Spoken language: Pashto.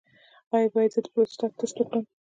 ایا زه باید د پروستات ټسټ وکړم؟